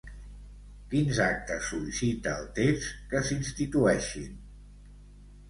Quins actes sol·licita el text que s'institueixin?